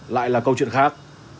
lại là câu chuyện khác